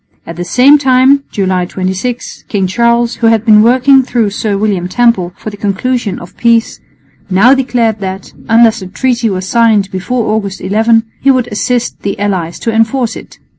At the same time (July 26) King Charles, who had been working through Sir William Temple for the conclusion of peace, now declared that, unless the treaty was signed before August 11, he would assist the allies to enforce it.